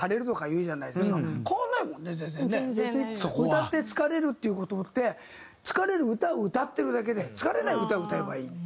歌って疲れるっていう事って疲れる歌を歌ってるだけで疲れない歌を歌えばいい。